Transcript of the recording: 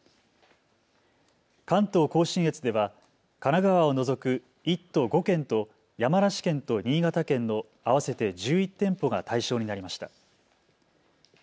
関東甲信越では神奈川を除く１都５県と山梨県と新潟県の合わせて１１店舗が対象になりました。